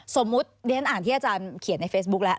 สมมุติเรียนอ่านที่อาจารย์เขียนในเฟซบุ๊คแล้ว